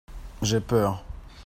J'ai peur.